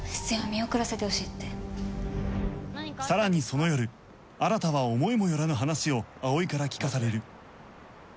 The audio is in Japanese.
さらにその夜新は思いもよらぬ話を葵から聞かされる